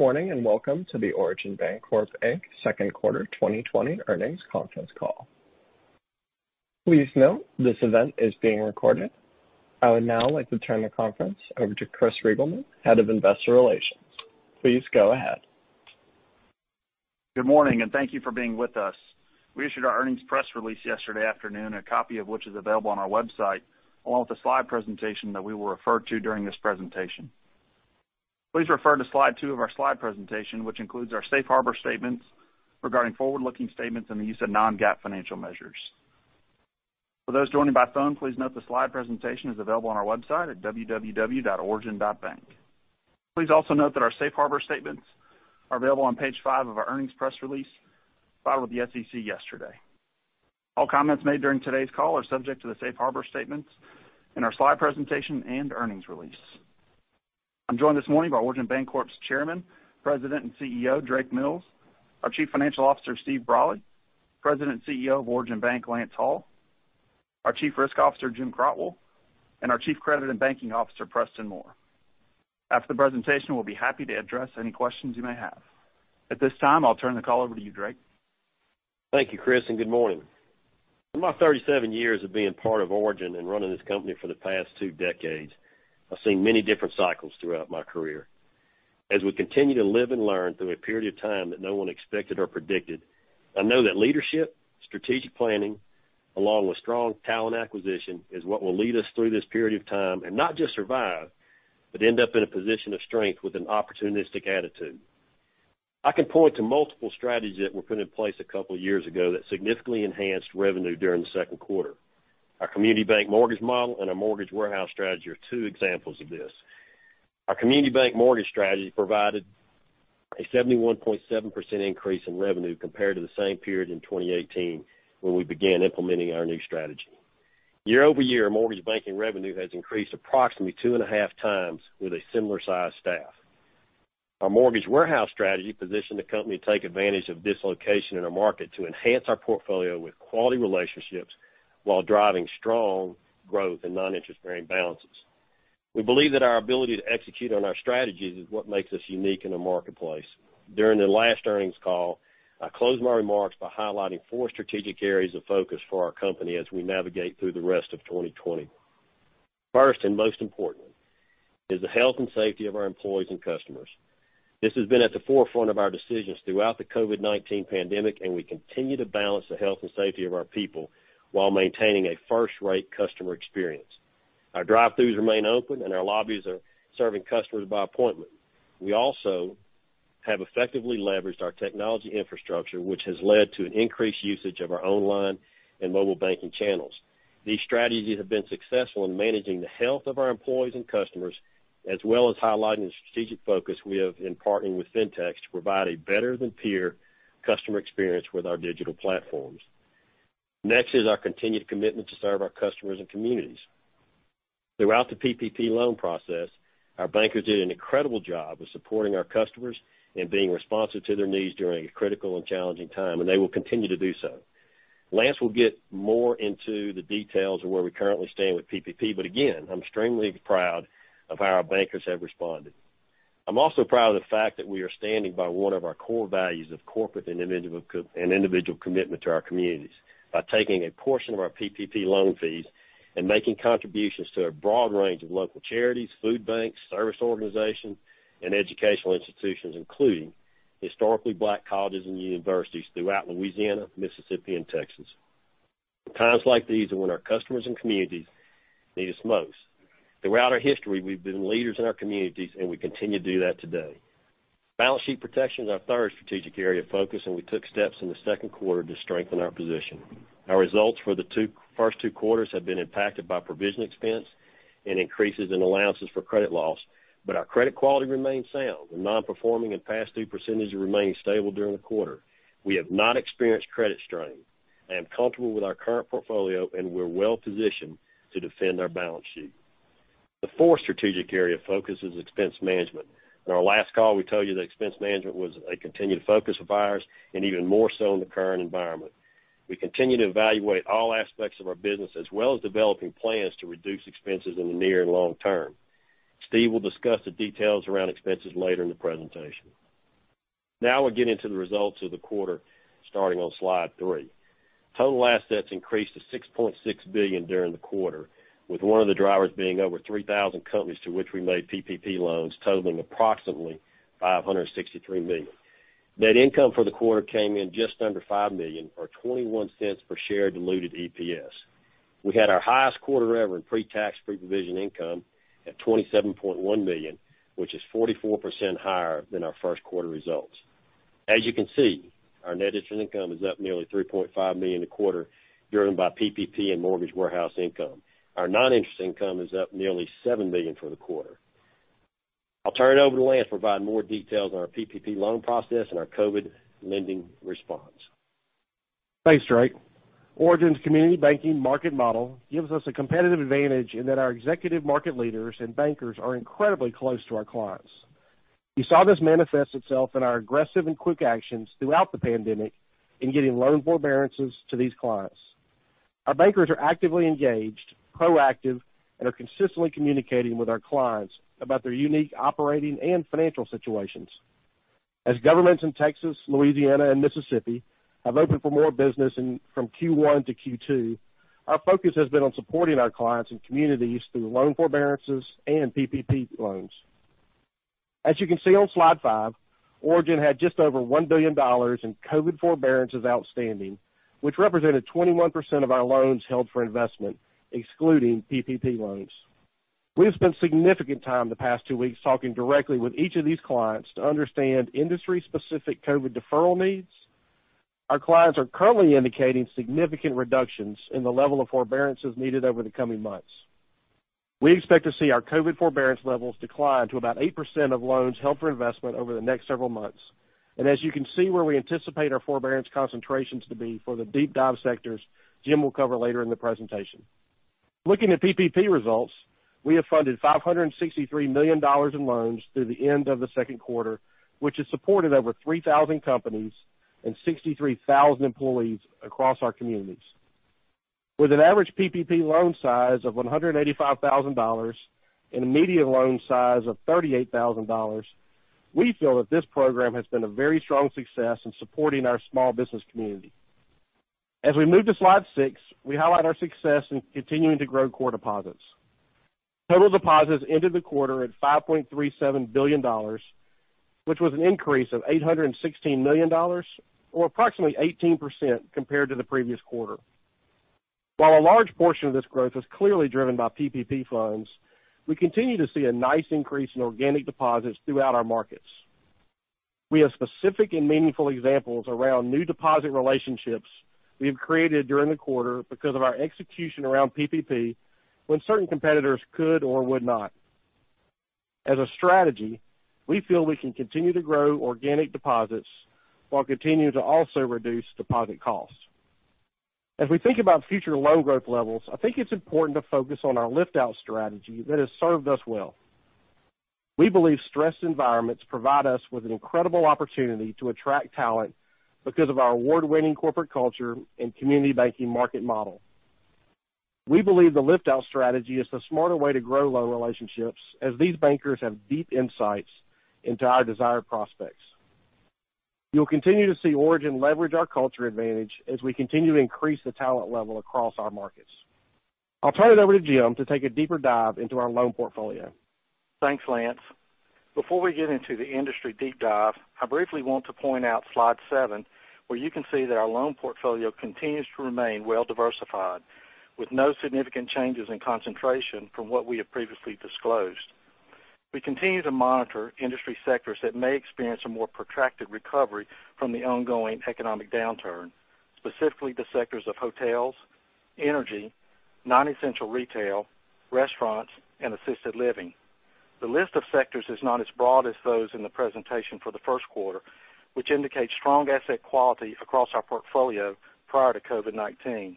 Good morning, and welcome to the Origin Bancorp, Inc. second quarter 2020 earnings conference call. Please note this event is being recorded. I would now like to turn the conference over to Chris Reigelman, Head of Investor Relations. Please go ahead. Good morning, and thank you for being with us. We issued our earnings press release yesterday afternoon, a copy of which is available on our website, along with the slide presentation that we will refer to during this presentation. Please refer to slide two of our slide presentation, which includes our safe harbor statements regarding forward-looking statements and the use of non-GAAP financial measures. For those joining by phone, please note the slide presentation is available on our website at www.origin.bank. Please also note that our safe harbor statements are available on page five of our earnings press release, filed with the SEC yesterday. All comments made during today's call are subject to the safe harbor statements in our slide presentation and earnings release. I'm joined this morning by Origin Bancorp's Chairman, President, and CEO, Drake Mills, our Chief Financial Officer, Stephen Brolly, President and CEO of Origin Bank, Lance Hall, our Chief Risk Officer, Jim Crotwell, and our Chief Credit and Banking Officer, Preston Moore. After the presentation, we'll be happy to address any questions you may have. At this time, I'll turn the call over to you, Drake Mills. Thank you, Chris Reigelman, and good morning. In my 37 years of being part of Origin and running this company for the past two decades, I've seen many different cycles throughout my career. As we continue to live and learn through a period of time that no one expected or predicted, I know that leadership, strategic planning, along with strong talent acquisition, is what will lead us through this period of time and not just survive, but end up in a position of strength with an opportunistic attitude. I can point to multiple strategies that were put in place a couple of years ago that significantly enhanced revenue during the second quarter. Our community bank mortgage model and our mortgage warehouse strategy are two examples of this. Our community bank mortgage strategy provided a 71.7% increase in revenue compared to the same period in 2018, when we began implementing our new strategy. Year-over-year, mortgage banking revenue has increased approximately 2.5 times with a similar size staff. Our mortgage warehouse strategy positioned the company to take advantage of dislocation in the market to enhance our portfolio with quality relationships while driving strong growth in non-interest bearing balances. We believe that our ability to execute on our strategies is what makes us unique in the marketplace. During the last earnings call, I closed my remarks by highlighting four strategic areas of focus for our company as we navigate through the rest of 2020. First, and most importantly, is the health and safety of our employees and customers. This has been at the forefront of our decisions throughout the COVID-19 pandemic, and we continue to balance the health and safety of our people, while maintaining a first-rate customer experience. Our drive-throughs remain open, and our lobbies are serving customers by appointment. We also have effectively leveraged our technology infrastructure, which has led to an increased usage of our online and mobile banking channels. These strategies have been successful in managing the health of our employees and customers, as well as highlighting the strategic focus we have in partnering with fintech to provide a better than peer customer experience with our digital platforms. Next is our continued commitment to serve our customers and communities. Throughout the PPP loan process, our bankers did an incredible job of supporting our customers and being responsive to their needs during a critical and challenging time, and they will continue to do so. Lance will get more into the details of where we currently stand with PPP, but again, I'm extremely proud of how our bankers have responded. I'm also proud of the fact that we are standing by one of our core values of corporate and individual commitment to our communities by taking a portion of our PPP loan fees and making contributions to a broad range of local charities, food banks, service organizations, and educational institutions, including historically Black colleges and universities throughout Louisiana, Mississippi, and Texas. Times like these are when our customers and communities need us most. Throughout our history, we've been leaders in our communities, and we continue to do that today. Balance sheet protection is our third strategic area of focus, and we took steps in the second quarter to strengthen our position. Our results for the first two quarters have been impacted by provision expense and increases in allowances for credit loss, but our credit quality remains sound. The non-performing and past due percentages remain stable during the quarter. We have not experienced credit strain. I am comfortable with our current portfolio, and we're well-positioned to defend our balance sheet. The fourth strategic area of focus is expense management. In our last call, we told you that expense management was a continued focus of ours and even more so in the current environment. We continue to evaluate all aspects of our business, as well as developing plans to reduce expenses in the near and long term. Stephen Brolly will discuss the details around expenses later in the presentation. We'll get into the results of the quarter, starting on slide three. Total assets increased to $6.6 billion during the quarter, with one of the drivers being over 3,000 companies to which we made PPP loans totaling approximately $563 million. Net income for the quarter came in just under $5 million or $0.21 per share diluted EPS. We had our highest quarter ever in pre-tax, pre-provision income at $27.1 million, which is 44% higher than our first quarter results. As you can see, our net interest income is up nearly $3.5 million a quarter, driven by PPP and mortgage warehouse income. Our non-interest income is up nearly $7 million for the quarter. I'll turn it over to Lance to provide more details on our PPP loan process and our COVID-19 lending response. Thanks, Drake Mills. Origin's community banking market model gives us a competitive advantage in that our executive market leaders and bankers are incredibly close to our clients. You saw this manifest itself in our aggressive and quick actions throughout the pandemic in getting loan forbearances to these clients. Our bankers are actively engaged, proactive, and are consistently communicating with our clients about their unique operating and financial situations. As governments in Texas, Louisiana, and Mississippi have opened for more business from Q1 to Q2, our focus has been on supporting our clients and communities through loan forbearances and PPP loans. As you can see on slide five, Origin had just over $1 billion in COVID-19 forbearances outstanding, which represented 21% of our loans held for investment, excluding PPP loans. We have spent significant time the past two weeks talking directly with each of these clients to understand industry-specific COVID-19 deferral needs. Our clients are currently indicating significant reductions in the level of forbearances needed over the coming months. We expect to see our COVID-19 forbearance levels decline to about 8% of loans held for investment over the next several months. As you can see where we anticipate our forbearance concentrations to be for the deep dive sectors, Jim will cover later in the presentation. Looking at PPP results, we have funded $563 million in loans through the end of the second quarter, which has supported over 3,000 companies and 63,000 employees across our communities. With an average PPP loan size of $185,000 and a median loan size of $38,000, we feel that this program has been a very strong success in supporting our small business community. As we move to slide six, we highlight our success in continuing to grow core deposits. Total deposits ended the quarter at $5.37 billion, which was an increase of $816 million, or approximately 18% compared to the previous quarter. While a large portion of this growth was clearly driven by PPP funds, we continue to see a nice increase in organic deposits throughout our markets. We have specific and meaningful examples around new deposit relationships we have created during the quarter because of our execution around PPP, when certain competitors could or would not. As a strategy, we feel we can continue to grow organic deposits while continuing to also reduce deposit costs. As we think about future loan growth levels, I think it's important to focus on our lift-out strategy that has served us well. We believe stressed environments provide us with an incredible opportunity to attract talent because of our award-winning corporate culture and community banking market model. We believe the lift-out strategy is the smarter way to grow loan relationships, as these bankers have deep insights into our desired prospects. You'll continue to see Origin leverage our culture advantage as we continue to increase the talent level across our markets. I'll turn it over to Jim Crotwell to take a deeper dive into our loan portfolio. Thanks, Lance Hall. Before we get into the industry deep dive, I briefly want to point out slide seven, where you can see that our loan portfolio continues to remain well-diversified, with no significant changes in concentration from what we have previously disclosed. We continue to monitor industry sectors that may experience a more protracted recovery from the ongoing economic downturn, specifically the sectors of hotels, energy, non-essential retail, restaurants, and assisted living. The list of sectors is not as broad as those in the presentation for the first quarter, which indicates strong asset quality across our portfolio prior to COVID-19.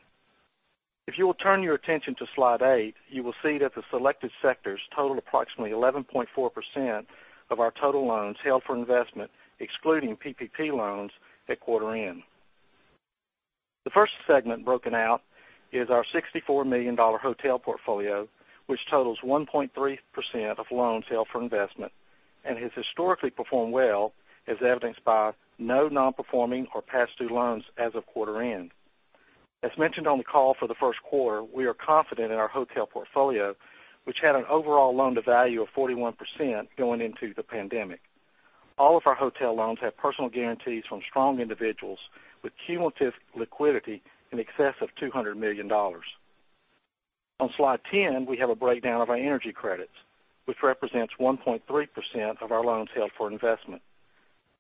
If you will turn your attention to slide eight, you will see that the selected sectors total approximately 11.4% of our total loans held for investment, excluding PPP loans at quarter end. The first segment broken out is our $64 million hotel portfolio, which totals 1.3% of loans held for investment and has historically performed well, as evidenced by no non-performing or past due loans as of quarter end. As mentioned on the call for the first quarter, we are confident in our hotel portfolio, which had an overall loan-to-value of 41% going into the pandemic. All of our hotel loans have personal guarantees from strong individuals with cumulative liquidity in excess of $200 million. On slide 10, we have a breakdown of our energy credits, which represents 1.3% of our loans held for investment.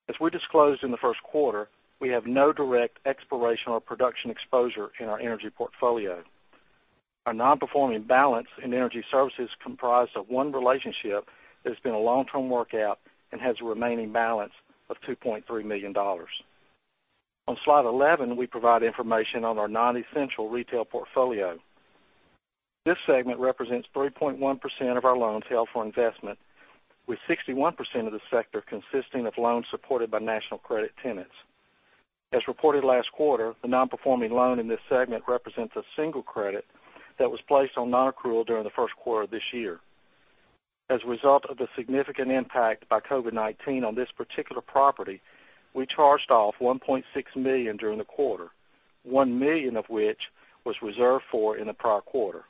As we disclosed in the first quarter, we have no direct exploration or production exposure in our energy portfolio. Our non-performing balance in energy services comprise of one relationship that has been a long-term workout and has a remaining balance of $2.3 million. On slide 11, we provide information on our non-essential retail portfolio. This segment represents 3.1% of our loans held for investment, with 61% of the sector consisting of loans supported by national credit tenants. As reported last quarter, the non-performing loan in this segment represents a single credit that was placed on non-accrual during the first quarter of this year. As a result of the significant impact by COVID-19 on this particular property, we charged off $1.6 million during the quarter, $1 million of which was reserved for in the prior quarter.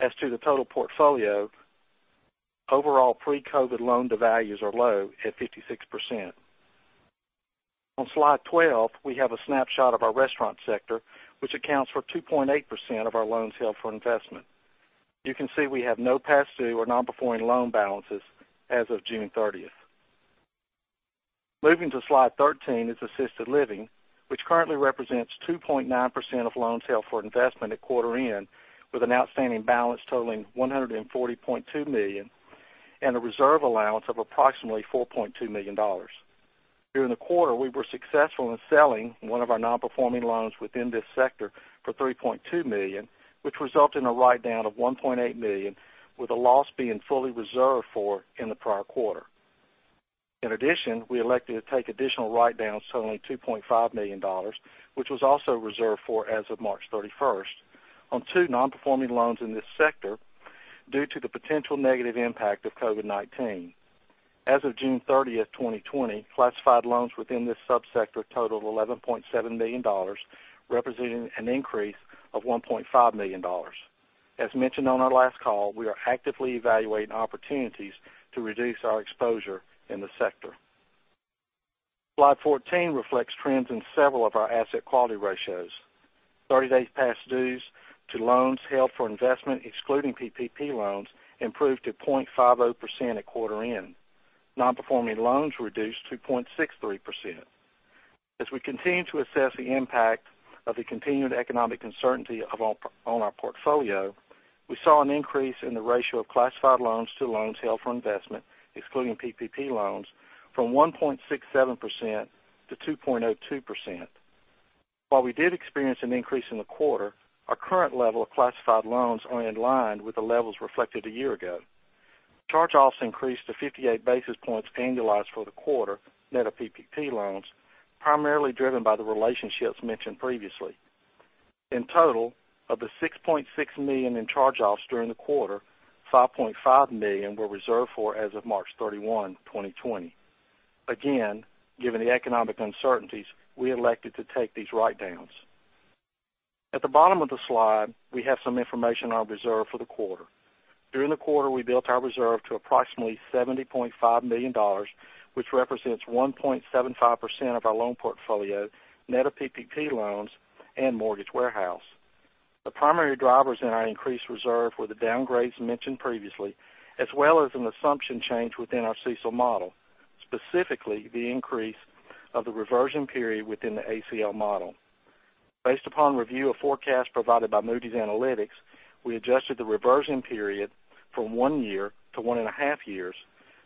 As to the total portfolio, overall pre-COVID-19 loan-to-values are low at 56%. On slide 12, we have a snapshot of our restaurant sector, which accounts for 2.8% of our loans held for investment. You can see we have no past due or non-performing loan balances as of June 30th. Moving to slide 13 is assisted living, which currently represents 2.9% of loans held for investment at quarter end, with an outstanding balance totaling $140.2 million and a reserve allowance of approximately $4.2 million. During the quarter, we were successful in selling one of our non-performing loans within this sector for $3.2 million, which resulted in a write-down of $1.8 million, with a loss being fully reserved for in the prior quarter. In addition, we elected to take additional write-downs totaling $2.5 million, which was also reserved for as of March 31st, on two non-performing loans in this sector due to the potential negative impact of COVID-19. As of June 30th, 2020, classified loans within this sub-sector totaled $11.7 million, representing an increase of $1.5 million. As mentioned on our last call, we are actively evaluating opportunities to reduce our exposure in the sector. Slide 14 reflects trends in several of our asset quality ratios. 30 days past dues to loans held for investment, excluding PPP loans, improved to 0.50% at quarter end. Non-performing loans reduced to 0.63%. As we continue to assess the impact of the continued economic uncertainty on our portfolio, we saw an increase in the ratio of classified loans to loans held for investment, excluding PPP loans, from 1.67% to 2.02%. While we did experience an increase in the quarter, our current level of classified loans are in line with the levels reflected a year ago. Charge-offs increased to 58 basis points annualized for the quarter, net of PPP loans, primarily driven by the relationships mentioned previously. In total, of the $6.6 million in charge-offs during the quarter, $5.5 million were reserved for as of March 31, 2020. Again, given the economic uncertainties, we elected to take these write-downs. At the bottom of the slide, we have some information on reserve for the quarter. During the quarter, we built our reserve to approximately $70.5 million, which represents 1.75% of our loan portfolio, net of PPP loans and mortgage warehouse. The primary drivers in our increased reserve were the downgrades mentioned previously, as well as an assumption change within our CECL model, specifically the increase of the reversion period within the ACL model. Based upon review of forecasts provided by Moody's Analytics, we adjusted the reversion period from one year to one and a half years,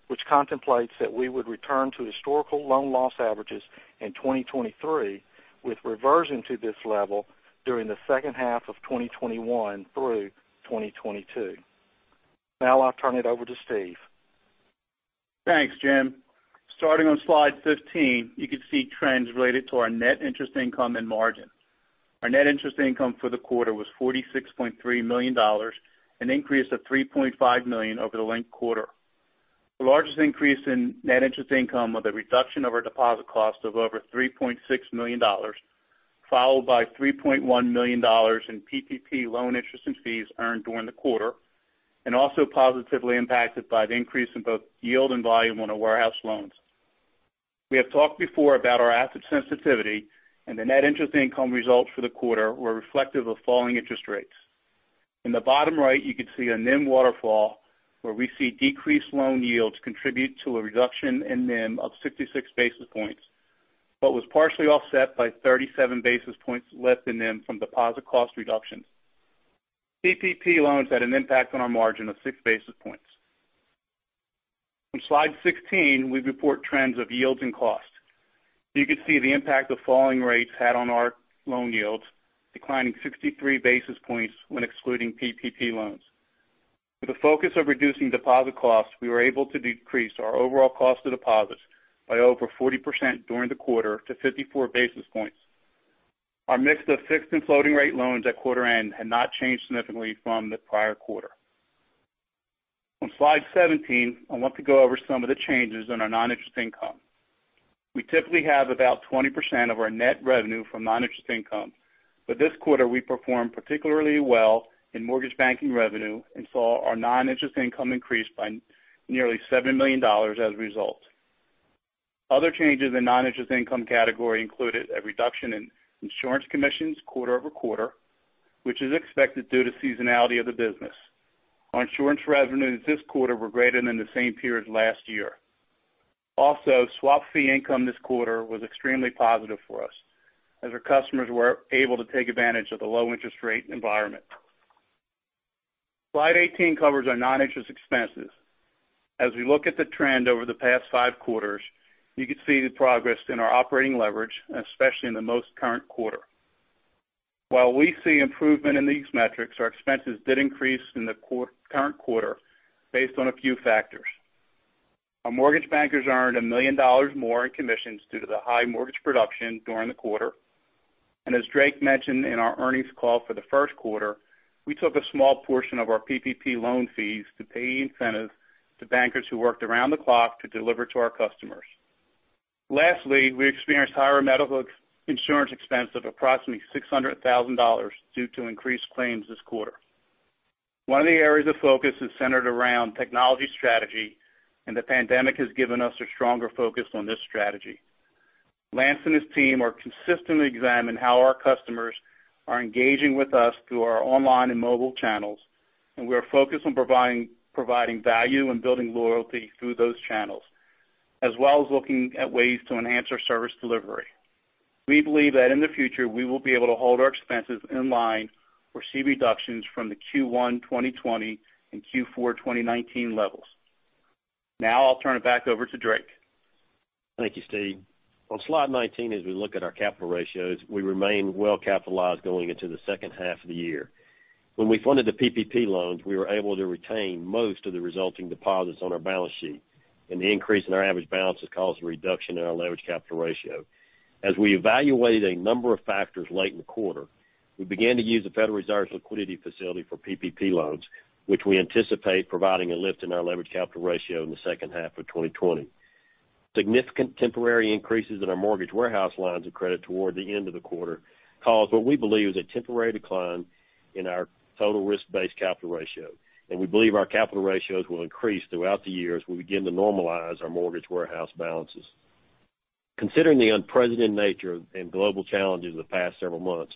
which contemplates that we would return to historical loan loss averages in 2023, with reversion to this level during the second half of 2021 through 2022. Now I'll turn it over to Stephen Brolly. Thanks, Jim Crotwell. Starting on slide 15, you can see trends related to our net interest income and margin. Our net interest income for the quarter was $46.3 million, an increase of $3.5 million over the linked quarter. The largest increase in net interest income was a reduction of our deposit cost of over $3.6 million, followed by $3.1 million in PPP loan interest and fees earned during the quarter. Also positively impacted by the increase in both yield and volume on our warehouse loans. We have talked before about our asset sensitivity. The net interest income results for the quarter were reflective of falling interest rates. In the bottom right, you can see a NIM waterfall where we see decreased loan yields contribute to a reduction in NIM of 66 basis points, was partially offset by 37 basis points lift in NIM from deposit cost reductions. PPP loans had an impact on our margin of six basis points. On slide 16, we report trends of yields and costs. You can see the impact of falling rates had on our loan yields, declining 63 basis points when excluding PPP loans. With a focus of reducing deposit costs, we were able to decrease our overall cost of deposits by over 40% during the quarter to 54 basis points. Our mix of fixed and floating rate loans at quarter end had not changed significantly from the prior quarter. On slide 17, I want to go over some of the changes in our non-interest income. We typically have about 20% of our net revenue from non-interest income, but this quarter we performed particularly well in mortgage banking revenue and saw our non-interest income increase by nearly $7 million as a result. Other changes in non-interest income category included a reduction in insurance commissions quarter-over-quarter, which is expected due to seasonality of the business. Our insurance revenues this quarter were greater than the same period last year. Also, swap fee income this quarter was extremely positive for us, as our customers were able to take advantage of the low interest rate environment. Slide 18 covers our non-interest expenses. As we look at the trend over the past five quarters, you can see the progress in our operating leverage, especially in the most current quarter. While we see improvement in these metrics, our expenses did increase in the current quarter based on a few factors. Our mortgage bankers earned $1 million more in commissions due to the high mortgage production during the quarter. As Drake Mills mentioned in our earnings call for the first quarter, we took a small portion of our PPP loan fees to pay incentive to bankers who worked around the clock to deliver to our customers. Lastly, we experienced higher medical insurance expense of approximately $600,000 due to increased claims this quarter. One of the areas of focus is centered around technology strategy, and the pandemic has given us a stronger focus on this strategy. Lance and his team are consistently examining how our customers are engaging with us through our online and mobile channels, and we are focused on providing value and building loyalty through those channels, as well as looking at ways to enhance our service delivery. We believe that in the future, we will be able to hold our expenses in line or see reductions from the Q1 2020 and Q4 2019 levels. Now I'll turn it back over to Drake Mills. Thank you, Stephen Brolly. On slide 19, as we look at our capital ratios, we remain well-capitalized going into the second half of the year. When we funded the PPP loans, we were able to retain most of the resulting deposits on our balance sheet, and the increase in our average balance has caused a reduction in our leverage capital ratio. As we evaluated a number of factors late in the quarter, we began to use the Federal Reserve's liquidity facility for PPP loans, which we anticipate providing a lift in our leverage capital ratio in the second half of 2020. Significant temporary increases in our mortgage warehouse lines of credit toward the end of the quarter caused what we believe is a temporary decline in our total risk-based capital ratio, and we believe our capital ratios will increase throughout the year as we begin to normalize our mortgage warehouse balances. Considering the unprecedented nature and global challenges of the past several months,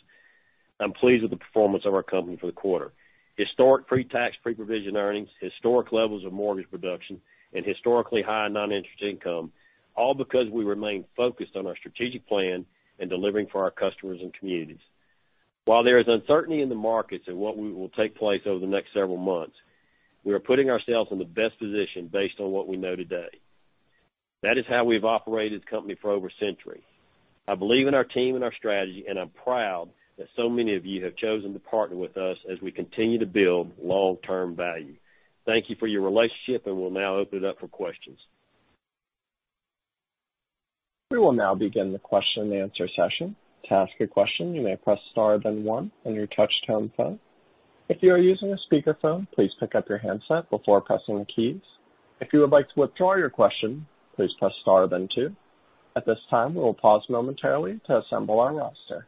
I'm pleased with the performance of our company for the quarter. Historic pre-tax, pre-provision earnings, historic levels of mortgage production, and historically high non-interest income, all because we remain focused on our strategic plan and delivering for our customers and communities. While there is uncertainty in the markets and what will take place over the next several months, we are putting ourselves in the best position based on what we know today. That is how we've operated the company for over a century. I believe in our team and our strategy, and I'm proud that so many of you have chosen to partner with us as we continue to build long-term value. Thank you for your relationship, We'll now open it up for questions. We will now begin the question and answer session. To ask a question, you may press star, then one on your touchtone phone. If you are using a speakerphone, please pick up your handset before pressing the keys. If you would like to withdraw your question, please press star then two. At this time, we will pause momentarily to assemble our roster.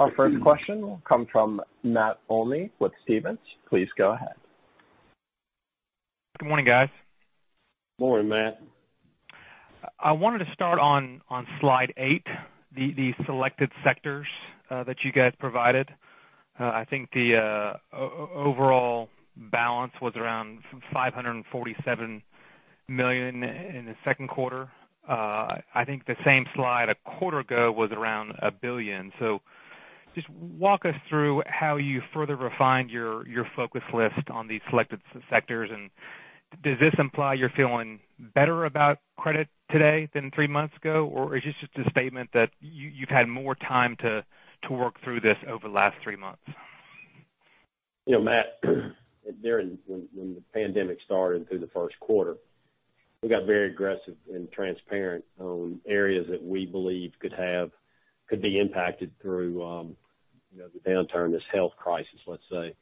Our first question will come from Matt Olney with Stephens. Please go ahead. Good morning, guys. Morning, Matt Olney. I wanted to start on slide eight, the selected sectors that you guys provided. I think the overall balance was around $547 million in the second quarter. I think the same slide a quarter ago was around $1 billion. Just walk us through how you further refined your focus list on these selected sectors, and does this imply you're feeling better about credit today than three months ago? Or is this just a statement that you've had more time to work through this over the last three months? Matt Olney, when the pandemic started through the first quarter, we got very aggressive and transparent on areas that we believed could be impacted through the downturn, this health crisis, let's say.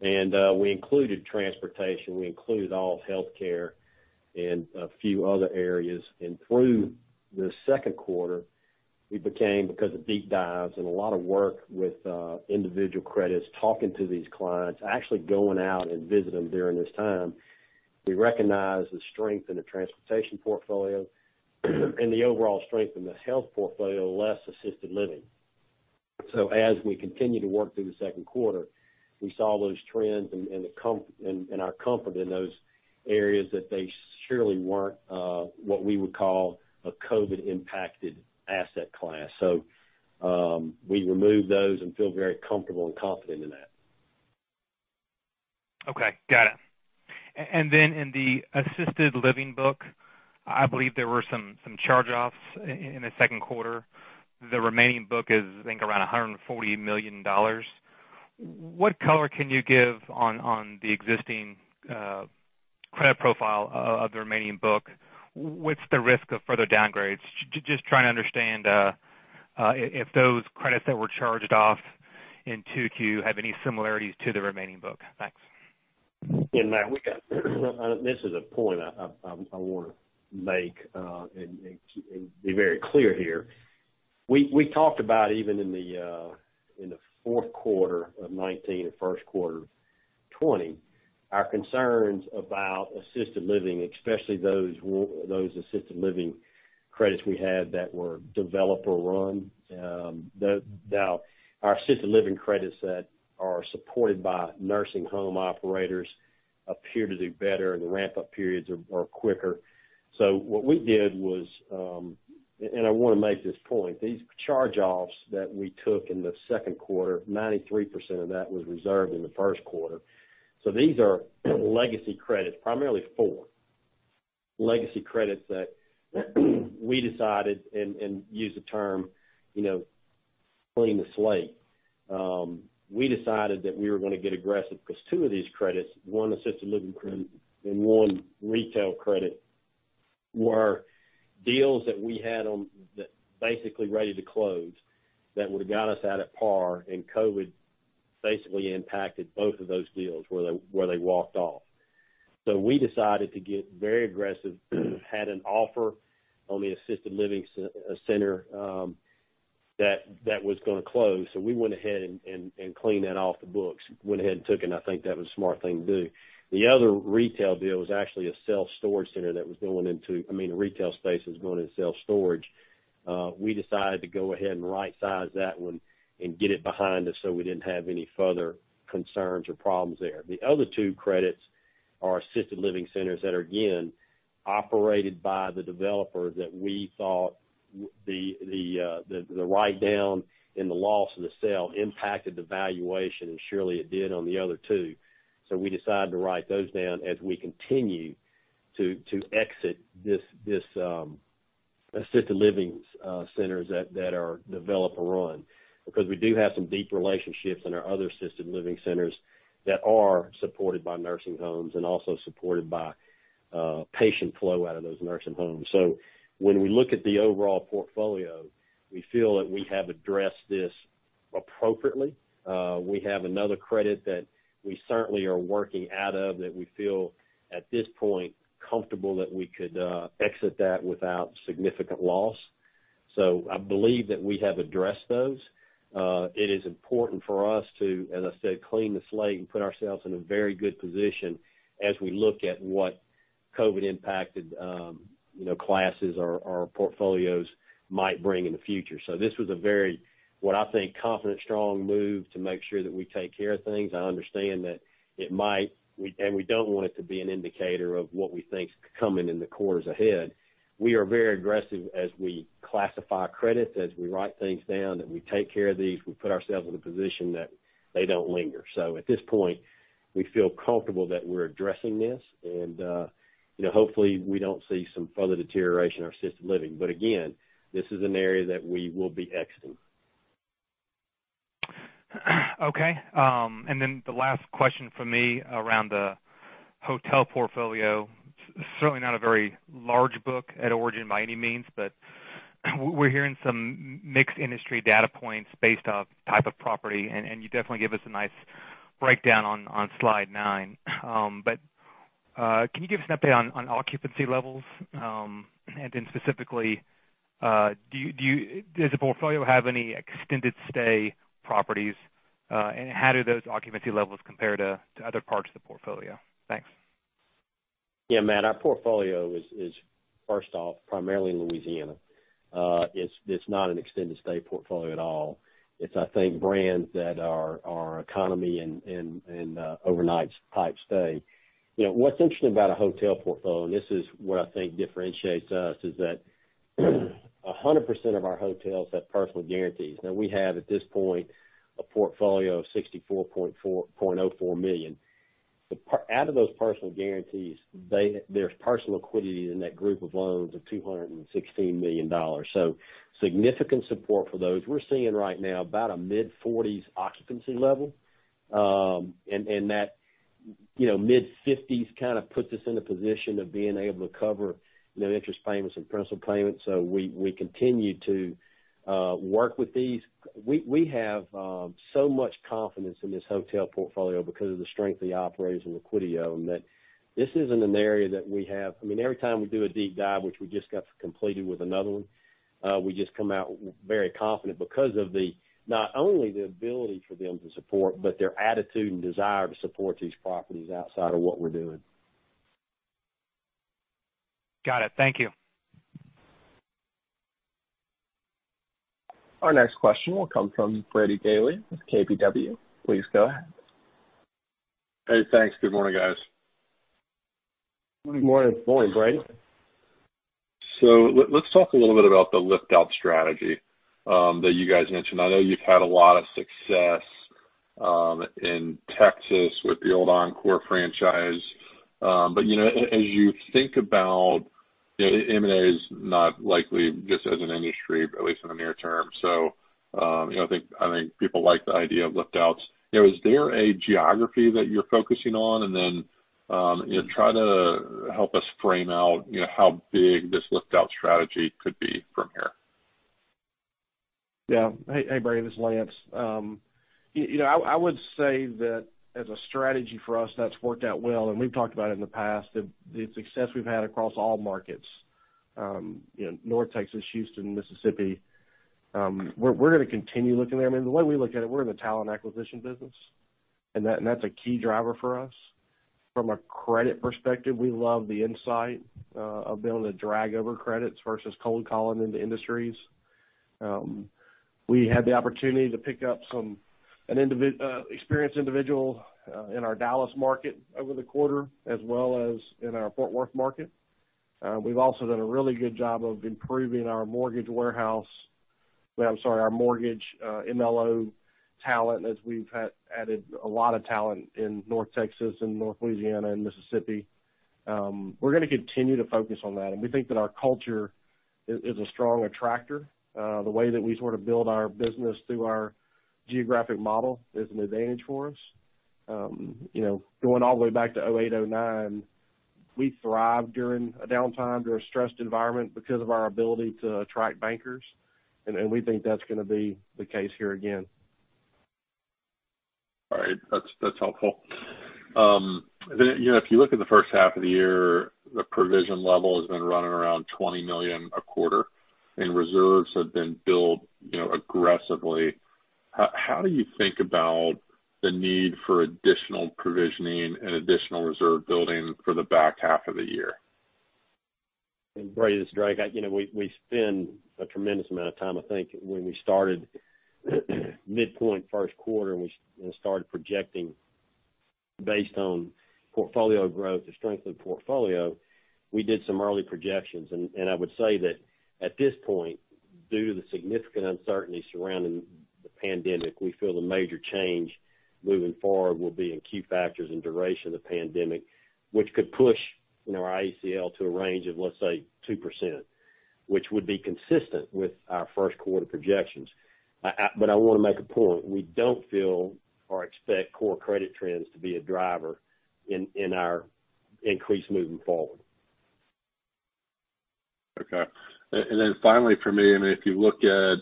We included transportation, we included all of healthcare and a few other areas. Through the second quarter, we became, because of deep dives and a lot of work with individual credits, talking to these clients, actually going out and visiting them during this time, we recognized the strength in the transportation portfolio and the overall strength in the health portfolio, less assisted living. As we continued to work through the second quarter, we saw those trends and our comfort in those areas that they surely weren't what we would call a COVID-impacted asset class. We removed those and feel very comfortable and confident in that. Okay. Got it. In the assisted living book, I believe there were some charge-offs in the second quarter. The remaining book is, I think, around $140 million. What color can you give on the existing credit profile of the remaining book? What's the risk of further downgrades? Just trying to understand if those credits that were charged off in Q2 have any similarities to the remaining book. Thanks. Matt, this is a point I want to make and be very clear here. We talked about, even in the fourth quarter of 2019 and first quarter of 2020, our concerns about assisted living, especially those assisted living credits we had that were developer-run. Now our assisted living credits that are supported by nursing home operators appear to do better, and the ramp-up periods are quicker. What we did was, and I want to make this point, these charge-offs that we took in the second quarter, 93% of that was reserved in the first quarter. These are legacy credits, primarily four legacy credits that we decided, and use the term, clean the slate. We decided that we were going to get aggressive because two of these credits, one assisted living credit and one retail credit, were deals that we had basically ready to close that would've got us out at par, and COVID-19 basically impacted both of those deals where they walked off. We decided to get very aggressive, had an offer on the assisted living center that was going to close, so we went ahead and cleaned that off the books, went ahead and took it, and I think that was a smart thing to do. The other retail deal was actually a retail space that was going into self-storage. We decided to go ahead and right-size that one and get it behind us so we didn't have any further concerns or problems there. The other two credits. Our assisted living centers that are, again, operated by the developer that we thought the write-down and the loss of the sale impacted the valuation, and surely it did on the other two. We decided to write those down as we continue to exit this assisted living centers that are developer-run. We do have some deep relationships in our other assisted living centers that are supported by nursing homes and also supported by patient flow out of those nursing homes. When we look at the overall portfolio, we feel that we have addressed this appropriately. We have another credit that we certainly are working out of that we feel at this point comfortable that we could exit that without significant loss. I believe that we have addressed those. It is important for us to, as I said, clean the slate and put ourselves in a very good position as we look at what COVID-19 impacted classes or portfolios might bring in the future. This was a very, what I think, confident, strong move to make sure that we take care of things. I understand that and we don't want it to be an indicator of what we think is coming in the quarters ahead. We are very aggressive as we classify credits, as we write things down, that we take care of these, we put ourselves in a position that they don't linger. At this point, we feel comfortable that we're addressing this, and hopefully, we don't see some further deterioration in our assisted living. Again, this is an area that we will be exiting. Okay. The last question from me around the hotel portfolio. Certainly not a very large book at Origin by any means, we're hearing some mixed industry data points based off type of property, and you definitely give us a nice breakdown on slide nine. Can you give us an update on occupancy levels? Specifically, does the portfolio have any extended stay properties? How do those occupancy levels compare to other parts of the portfolio? Thanks. Yeah, Matt Olney, our portfolio is first off, primarily in Louisiana. It's not an extended stay portfolio at all. It's, I think, brands that are economy and overnight type stay. What's interesting about a hotel portfolio, and this is what I think differentiates us, is that 100% of our hotels have personal guarantees. Now, we have, at this point, a portfolio of $64.04 million. Out of those personal guarantees, there's personal liquidity in that group of loans of $216 million. Significant support for those. We're seeing right now about a mid-40s% occupancy level, and that mid-50s% kind of puts us in a position of being able to cover interest payments and principal payments. We continue to work with these. We have so much confidence in this hotel portfolio because of the strength of the operators and liquidity of them. Every time we do a deep dive, which we just got completed with another one, we just come out very confident because of not only the ability for them to support, but their attitude and desire to support these properties outside of what we're doing. Got it. Thank you. Our next question will come from Brady Gailey with KBW. Please go ahead. Hey, thanks. Good morning, guys. Good morning, Brady Gailey. Let's talk a little bit about the lift-out strategy that you guys mentioned. I know you've had a lot of success in Texas with the old Encore franchise. As you think about M&A is not likely just as an industry, at least in the near term, I think people like the idea of lift-outs. Is there a geography that you're focusing on? Then try to help us frame out how big this lift-out strategy could be from here. Yeah. Hey, Brady Gailey, this is Lance Hall. I would say that as a strategy for us, that's worked out well, and we've talked about it in the past, the success we've had across all markets, North Texas, Houston, Mississippi. We're going to continue looking there. The way we look at it, we're in the talent acquisition business, and that's a key driver for us. From a credit perspective, we love the insight of being able to drag over credits versus cold calling into industries. We had the opportunity to pick up an experienced individual in our Dallas market over the quarter, as well as in our Fort Worth market. We've also done a really good job of improving our mortgage warehouse. I'm sorry, our mortgage MLO talent as we've added a lot of talent in North Texas and North Louisiana and Mississippi. We're going to continue to focus on that, and we think that our culture is a strong attractor. The way that we sort of build our business through our geographic model is an advantage for us. Going all the way back to 2008, 2009, we thrived during a downtime, during a stressed environment because of our ability to attract bankers, and we think that's going to be the case here again. All right. That's helpful. If you look at the first half of the year, the provision level has been running around $20 million a quarter, and reserves have been built aggressively. How do you think about the need for additional provisioning and additional reserve building for the back half of the year? Brady Gailey, this is Drake Mills. We spend a tremendous amount of time. I think when we started midpoint first quarter, and we started projecting based on portfolio growth, the strength of the portfolio, we did some early projections. I would say that at this point, due to the significant uncertainty surrounding the pandemic, we feel the major change moving forward will be in key factors and duration of the pandemic, which could push our ACL to a range of, let's say, 2%, which would be consistent with our first quarter projections. I want to make a point. We don't feel or expect core credit trends to be a driver in our increase moving forward. Okay. Finally from me, if you look at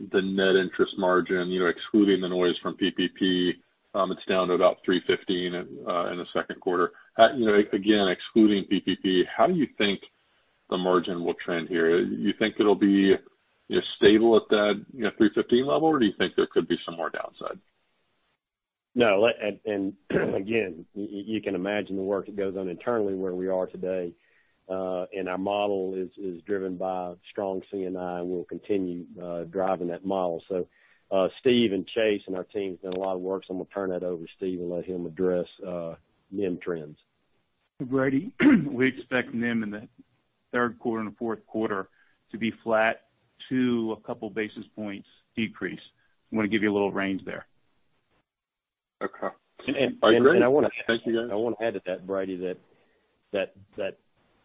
the net interest margin, excluding the noise from PPP, it is down to about 315 in the second quarter. Excluding PPP, how do you think the margin will trend here? You think it will be stable at that 315 level, or do you think there could be some more downside? No. Again, you can imagine the work that goes on internally where we are today. Our model is driven by strong C&I, and we'll continue driving that model. Stephen Brolly and Chase and our team has done a lot of work, so I'm going to turn that over to Stephen Brolly and let him address NIM trends. Brady Gailey, we expect NIM in the third quarter and the fourth quarter to be flat to a couple basis points decrease. I'm going to give you a little range there. Okay. All right, great. Thank you, guys. I want to add to that, Brady Gailey, that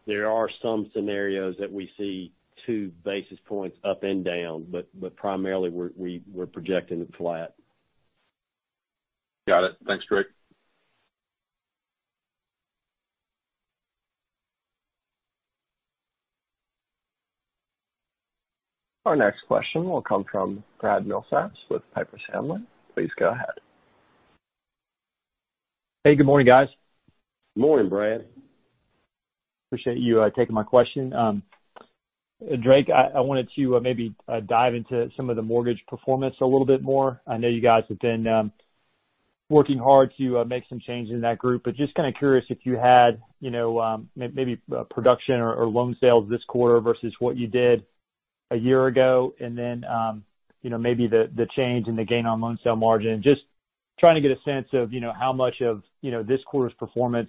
there are some scenarios that we see two basis points up and down. Primarily, we're projecting it flat. Got it. Thanks, Drake Mills. Our next question will come from Brad Milsaps with Piper Sandler. Please go ahead. Hey, good morning, guys. Good morning, Brad Milsaps. Appreciate you taking my question. Drake Mills, I wanted to maybe dive into some of the mortgage performance a little bit more. I know you guys have been working hard to make some changes in that group, but just kind of curious if you had maybe production or loan sales this quarter versus what you did a year ago, and then maybe the change in the gain on loan sale margin. Just trying to get a sense of how much of this quarter's performance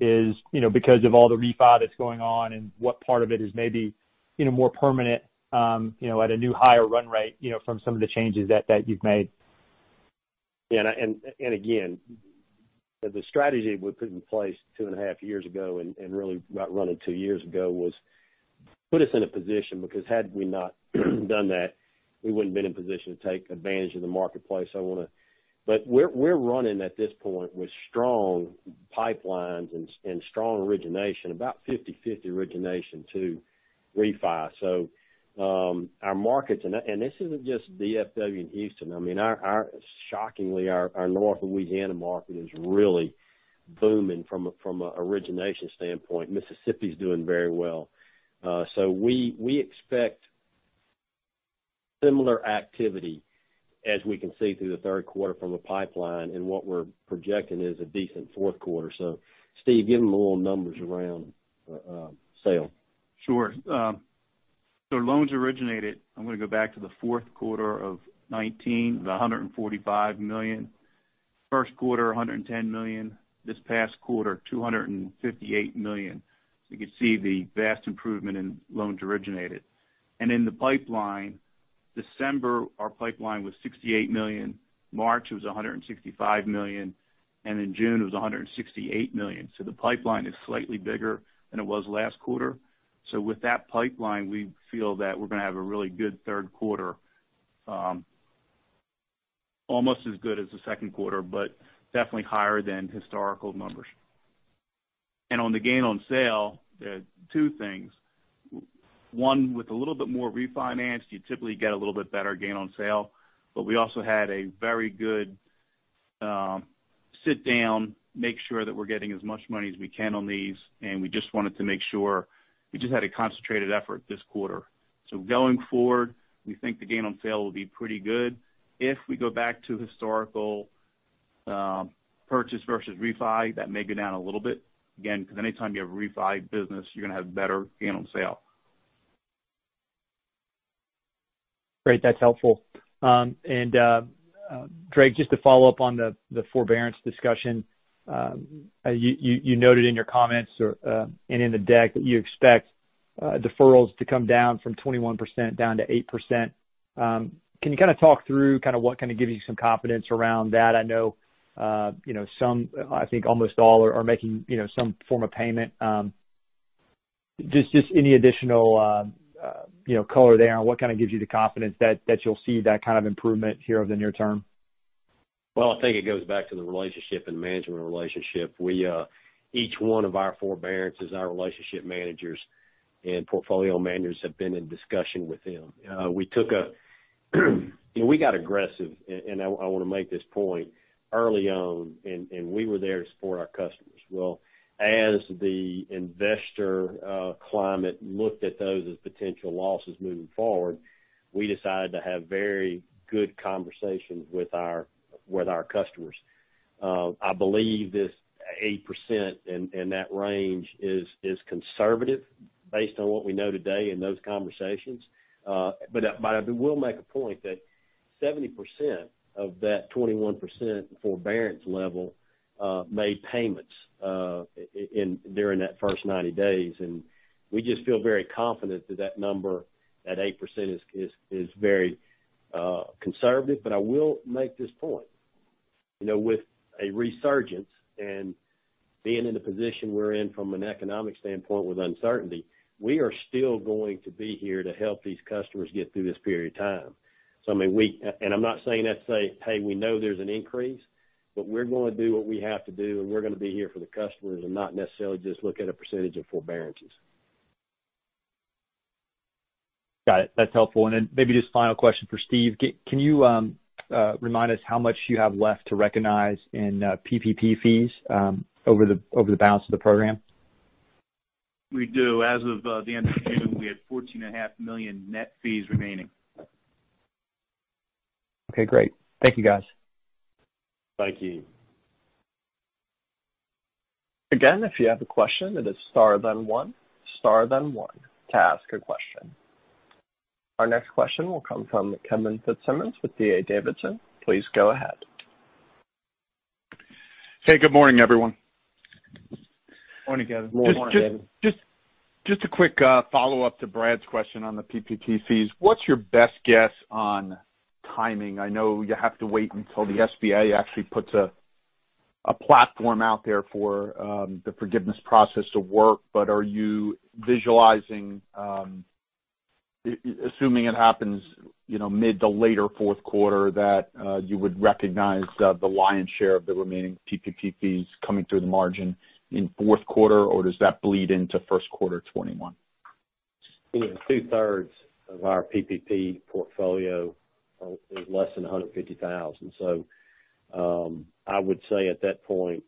is because of all the refi that's going on and what part of it is maybe more permanent at a new higher run rate from some of the changes that you've made. Again, the strategy we put in place two and a half years ago and really got running two years ago was put us in a position because had we not done that, we wouldn't have been in a position to take advantage of the marketplace. We're running at this point with strong pipelines and strong origination, about 50/50 origination to refi. Our markets, and this isn't just DFW and Houston. Shockingly, our North Louisiana market is really booming from an origination standpoint. Mississippi is doing very well. We expect similar activity as we can see through the third quarter from a pipeline, and what we're projecting is a decent fourth quarter. Stephen Brolly, give them a little numbers around sale. Sure. Loans originated, I'm going to go back to the fourth quarter of 2019, was $145 million. First quarter, $110 million. This past quarter, $258 million. You can see the vast improvement in loans originated. In the pipeline, December, our pipeline was $68 million. March, it was $165 million, and in June, it was $168 million. The pipeline is slightly bigger than it was last quarter. With that pipeline, we feel that we're going to have a really good third quarter, almost as good as the second quarter, but definitely higher than historical numbers. On the gain on sale, there are two things. One, with a little bit more refinance, you typically get a little bit better gain on sale. We also had a very good sit down, make sure that we're getting as much money as we can on these, and we wanted to make sure we had a concentrated effort this quarter. Going forward, we think the gain on sale will be pretty good. If we go back to historical purchase versus refi, that may go down a little bit. Because anytime you have a refi business, you're going to have better gain on sale. Great. That's helpful. Drake Mills, just to follow up on the forbearance discussion. You noted in your comments and in the deck that you expect deferrals to come down from 21% down to 8%. Can you kind of talk through what gives you some confidence around that? I know some, I think almost all, are making some form of payment. Just any additional color there on what kind of gives you the confidence that you'll see that kind of improvement here over the near term? Well, I think it goes back to the relationship and management relationship. Each one of our forbearances, our relationship managers and portfolio managers have been in discussion with them. We got aggressive, and I want to make this point, early on, and we were there to support our customers. Well, as the investor climate looked at those as potential losses moving forward, we decided to have very good conversations with our customers. I believe this 8% and that range is conservative based on what we know today in those conversations. I will make a point that 70% of that 21% forbearance level made payments during that first 90 days, and we just feel very confident that that number, that 8%, is very conservative. I will make this point. With a resurgence and being in the position we're in from an economic standpoint with uncertainty, we are still going to be here to help these customers get through this period of time. I'm not saying that to say, "Hey, we know there's an increase," but we're going to do what we have to do, and we're going to be here for the customers and not necessarily just look at a percentage of forbearances. Got it. That's helpful. Maybe just final question for Stephen Brolly. Can you remind us how much you have left to recognize in PPP fees over the balance of the program? We do. As of the end of June, we had $14.5 million net fees remaining. Okay, great. Thank you, guys. Thank you. Again, if you have a question, it is star then one. Star then one to ask a question. Our next question will come from Kevin Fitzsimmons with D.A. Davidson. Please go ahead. Hey, good morning, everyone. Morning, Kevin Fitzsimmons. Morning, Kevin Fitzsimmons. Just a quick follow-up to Brad's question on the PPP fees. What's your best guess on timing? I know you have to wait until the SBA actually puts a platform out there for the forgiveness process to work. Are you visualizing, assuming it happens mid to later fourth quarter, that you would recognize the lion's share of the remaining PPP fees coming through the margin in fourth quarter, or does that bleed into first quarter 2021? 2/3 of our PPP portfolio is less than $150,000. I would say at that point,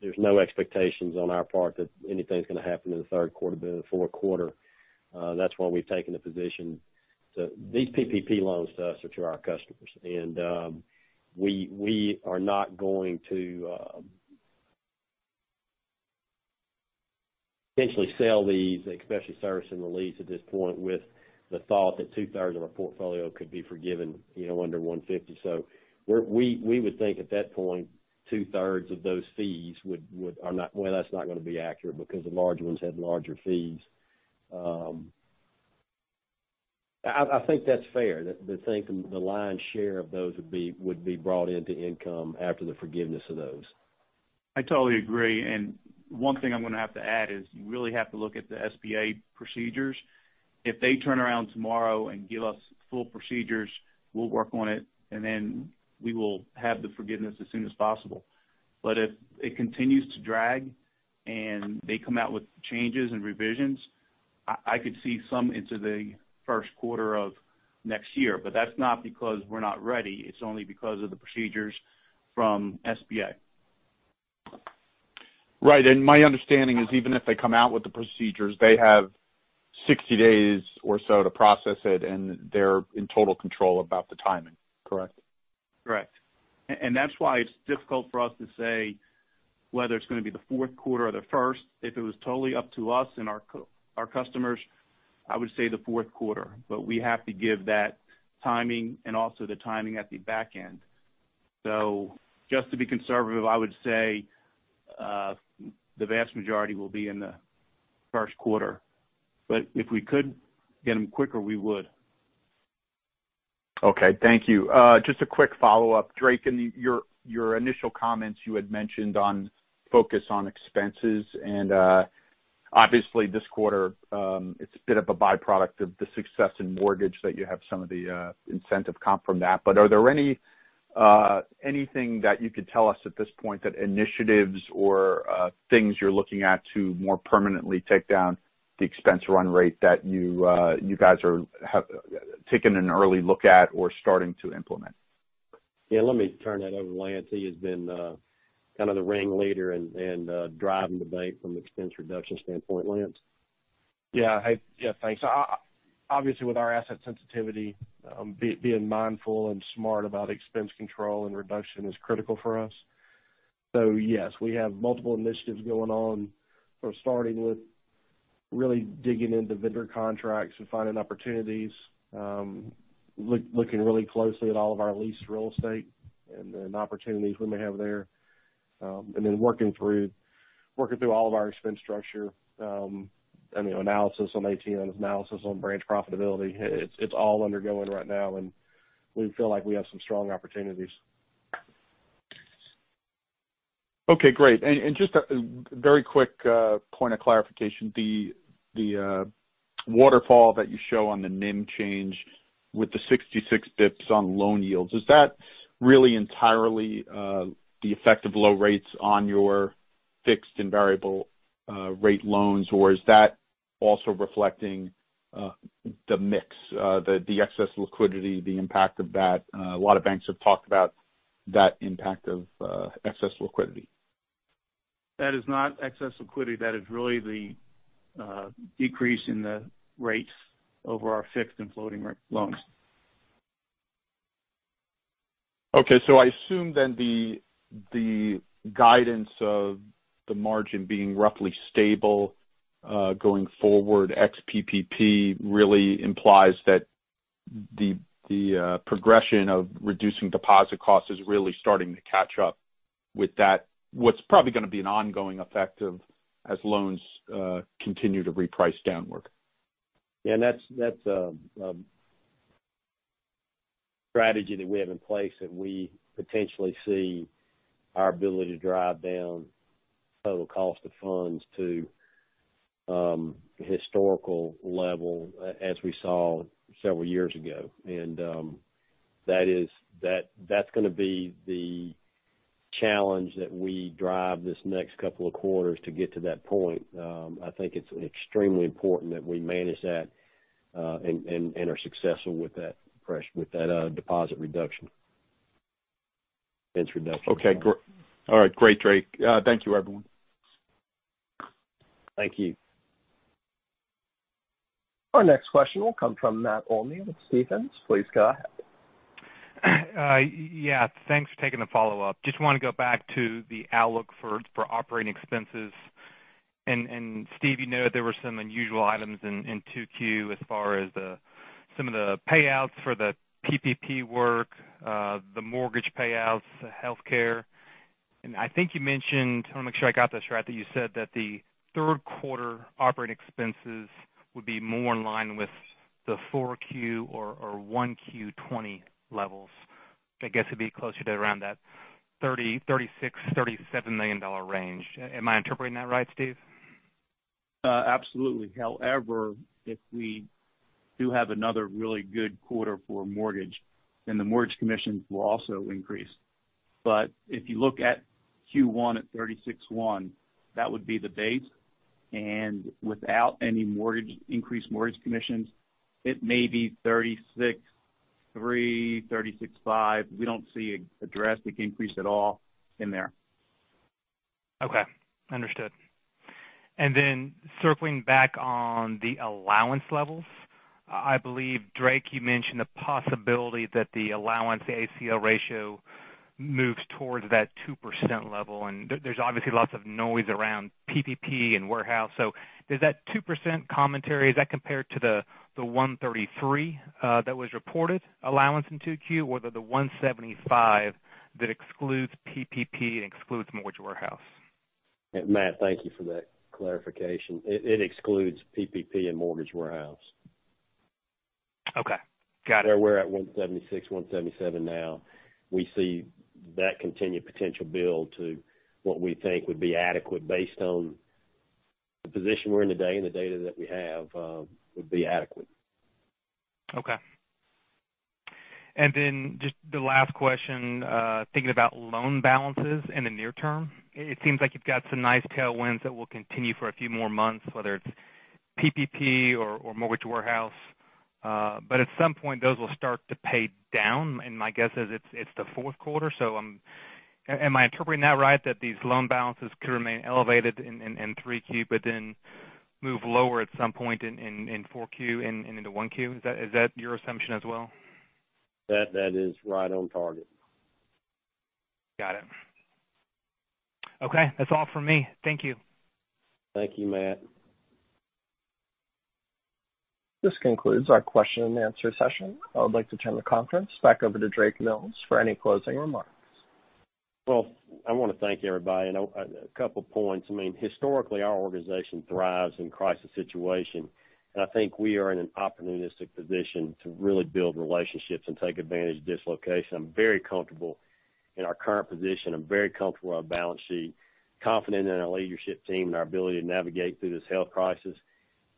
there's no expectations on our part that anything's going to happen in the third quarter, but in the fourth quarter. That's why we've taken the position these PPP loans to us are to our customers, and we are not going to essentially sell these, especially servicing released at this point with the thought that 2/3 of our portfolio could be forgiven under 150. We would think at that point, 2/3 of those fees well, that's not going to be accurate because the larger ones have larger fees. I think that's fair, the thinking, the lion's share of those would be brought into income after the forgiveness of those. I totally agree. One thing I'm going to have to add is you really have to look at the SBA procedures. If they turn around tomorrow and give us full procedures, we'll work on it, and then we will have the forgiveness as soon as possible. If it continues to drag and they come out with changes and revisions, I could see some into the first quarter of next year. That's not because we're not ready, it's only because of the procedures from SBA. Right. My understanding is even if they come out with the procedures, they have 60 days or so to process it, and they're in total control about the timing. Correct? Correct. That's why it's difficult for us to say whether it's going to be the fourth quarter or the first. If it was totally up to us and our customers, I would say the fourth quarter. We have to give that timing and also the timing at the back end. Just to be conservative, I would say the vast majority will be in the first quarter. If we could get them quicker, we would. Okay. Thank you. Just a quick follow-up. Drake Mills, in your initial comments, you had mentioned on focus on expenses, and obviously this quarter, it's a bit of a byproduct of the success in mortgage that you have some of the incentive comp from that. Are there anything that you could tell us at this point, that initiatives or things you're looking at to more permanently take down the expense run rate that you guys are taking an early look at or starting to implement? Yeah, let me turn that over to Lance Hall. He has been kind of the ring leader and driving the bank from an expense reduction standpoint. Lance Hall? Thanks. Obviously, with our asset sensitivity, being mindful and smart about expense control and reduction is critical for us. Yes, we have multiple initiatives going on. Starting with really digging into vendor contracts and finding opportunities, looking really closely at all of our leased real estate and opportunities we may have there, working through all of our expense structure analysis on ATM analysis, on branch profitability. It's all undergoing right now, and we feel like we have some strong opportunities. Okay, great. Just a very quick point of clarification, the waterfall that you show on the NIM change with the 66 basis points on loan yields, is that really entirely the effect of low rates on your fixed and variable rate loans, or is that also reflecting the mix, the excess liquidity, the impact of that? A lot of banks have talked about that impact of excess liquidity. That is not excess liquidity. That is really the decrease in the rates over our fixed and floating rate loans. Okay. I assume then the guidance of the margin being roughly stable, going forward, ex-PPP really implies that the progression of reducing deposit costs is really starting to catch up with that, what's probably going to be an ongoing effect as loans continue to reprice downward. Yeah, that's a strategy that we have in place. We potentially see our ability to drive down total cost of funds to historical level as we saw several years ago. That's going to be the challenge that we drive this next couple of quarters to get to that point. I think it's extremely important that we manage that, and are successful with that deposit reduction, expense reduction. Okay. All right, great, Drake Mills. Thank you, everyone. Thank you. Our next question will come from Matt Olney with Stephens. Please go ahead. Yeah, thanks for taking the follow-up. Just want to go back to the outlook for operating expenses. Stephen Brolly, you know there were some unusual items in Q2 as far as some of the payouts for the PPP work, the mortgage payouts, the healthcare. I think you mentioned, I want to make sure I got this right, that you said that the third quarter operating expenses would be more in line with the Q4 or Q1 2020 levels. I guess it'd be closer to around that $30 million, $36 million, $37 million dollar range. Am I interpreting that right, Stephen Brolly? Absolutely. If we do have another really good quarter for mortgage, then the mortgage commissions will also increase. If you look at Q1 at $36.1, that would be the base. Without any increased mortgage commissions, it may be $36.3, $36.5. We don't see a drastic increase at all in there. Okay. Understood. Circling back on the allowance levels, I believe, Drake Mills, you mentioned the possibility that the allowance, the ACL ratio moves towards that 2% level, and there's obviously lots of noise around PPP and warehouse. Does that 2% commentary, is that compared to the 1.33% that was reported allowance in Q2 or the 1.75% that excludes PPP and excludes mortgage warehouse? Matt, thank you for that clarification. It excludes PPP and mortgage warehouse. Okay. Got it. We're at 1.76%, 1.77 now. We see that continued potential build to what we think would be adequate based on the position we're in today and the data that we have, would be adequate. Okay. Just the last question, thinking about loan balances in the near term, it seems like you've got some nice tailwinds that will continue for a few more months, whether it's PPP or mortgage warehouse. At some point, those will start to pay down, and my guess is it's the fourth quarter. Am I interpreting that right that these loan balances could remain elevated in Q3, but then move lower at some point in Q4 and into Q1? Is that your assumption as well? That is right on target. Got it. Okay. That's all from me. Thank you. Thank you, Matt Olney. This concludes our question and answer session. I would like to turn the conference back over to Drake Mills for any closing remarks. Well, I want to thank everybody, and a couple points. Historically, our organization thrives in crisis situation, and I think we are in an opportunistic position to really build relationships and take advantage of dislocation. I'm very comfortable in our current position. I'm very comfortable in our balance sheet, confident in our leadership team and our ability to navigate through this health crisis.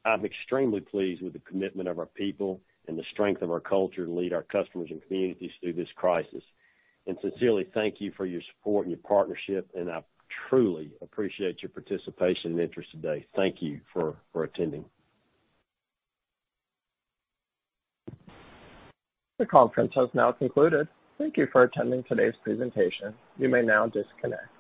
I'm extremely pleased with the commitment of our people and the strength of our culture to lead our customers and communities through this crisis. Sincerely, thank you for your support and your partnership, and I truly appreciate your participation and interest today. Thank you for attending. The conference has now concluded. Thank you for attending today's presentation. You may now disconnect.